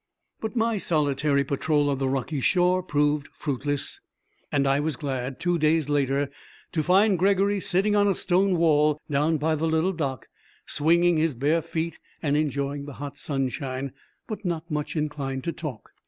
But my solitary patrol of the rocky shore proved fruitless, and I was glad, two days later, to find Gregory sitting on a stone wall down by the little dock, swinging his bare feet and enjoying the hot sunshine, but not much inclined to talk.